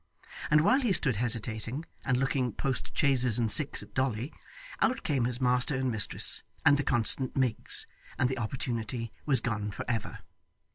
And while he stood hesitating, and looking post chaises and six at Dolly, out came his master and his mistress, and the constant Miggs, and the opportunity was gone for ever.